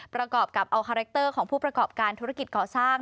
ประกอบกับเอาคาแรคเตอร์ของผู้ประกอบการธุรกิจก่อสร้าง